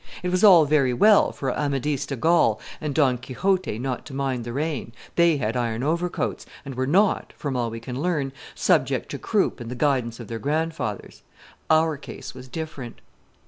It was all very well for Amadis de Gaul and Don Quixote not to mind the rain; they had iron overcoats, and were not, from all we can learn, subject to croup and the guidance of their grandfathers. Our case was different.